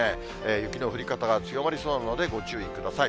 雪の降り方が強まりそうなので、ご注意ください。